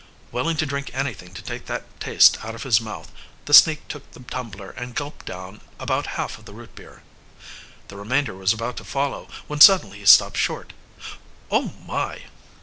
Willing to drink anything to take that taste out of his mouth, the sneak took the tumbler and gulped down about half of the root beer. The remainder was about to follow, when suddenly he stopped short. "Oh, my!"